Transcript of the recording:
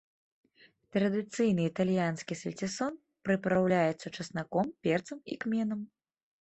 Традыцыйны італьянскі сальцісон прыпраўляецца часнаком, перцам і кменам.